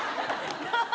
ハハハハ！